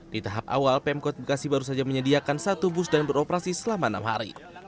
di tahap awal pemkot bekasi baru saja menyediakan satu bus dan beroperasi selama enam hari